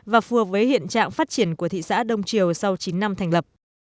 và phù hợp với hiện trạng phát triển của thị xã đông triều sau chín năm thành lập